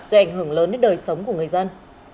gây ảnh hưởng lớn đến đời sống của người dân